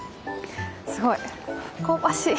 すごい香ばしい！